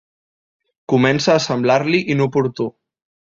Comença a semblar-li inoportú.